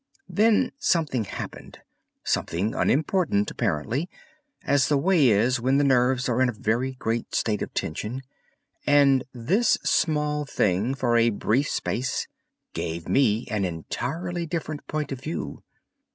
Then something happened, something unimportant apparently, as the way is when the nerves are in a very great state of tension, and this small thing for a brief space gave me an entirely different point of view.